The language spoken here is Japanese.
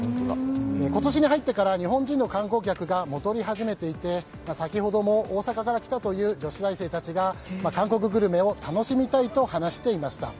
今年に入ってから日本人の観光客が戻り始めていて先ほども、大阪から来たという女子大生たちが韓国グルメを楽しみたいと話していました。